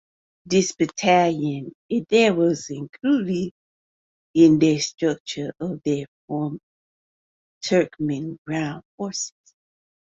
This battalion was included in the structure of the formed Turkmen Ground Forces.